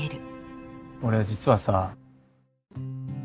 俺実はさ。